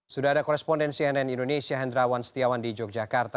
sudah ada korespondensi nn indonesia hendrawan setiawan di yogyakarta